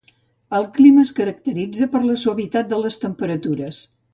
El clima es caracteritza per la suavitat de les temperatures